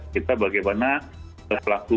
kita bagaimana pelaku perjalanan